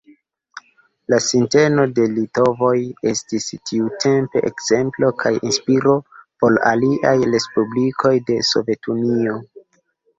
La sinteno de litovoj estis tiutempe ekzemplo kaj inspiro por aliaj respublikoj de Sovetunio.